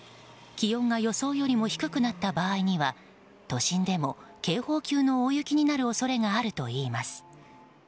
気温が予想よりも低くなった場合には都心でも警報級の大雪になる恐れがあるといいます。